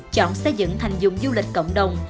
chọn xây dựng thành dụng du lịch cộng đồng